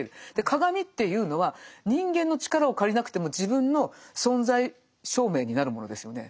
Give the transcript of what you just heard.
鏡っていうのは人間の力を借りなくても自分の存在証明になるものですよね。